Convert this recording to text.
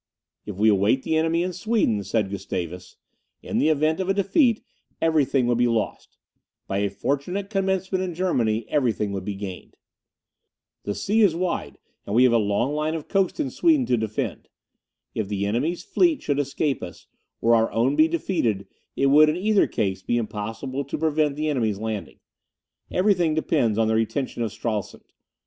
"If we await the enemy in Sweden," said Gustavus, "in the event of a defeat every thing would be lost, by a fortunate commencement in Germany everything would be gained. The sea is wide, and we have a long line of coast in Sweden to defend. If the enemy's fleet should escape us, or our own be defeated, it would, in either case, be impossible to prevent the enemy's landing. Every thing depends on the retention of Stralsund.